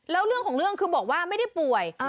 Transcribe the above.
แล้วเรื่องของเรื่องคือบอกว่าไม่ได้ป่วย